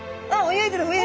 泳いでる！